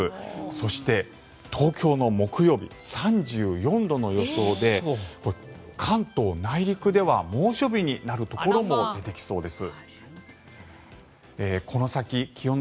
そして、東京の木曜日３４度の予想で関東内陸では猛暑日になるところも出てきそうです。